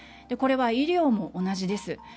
これは医療も同じです。